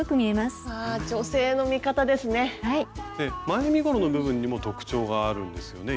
前身ごろの部分にも特徴があるんですよね？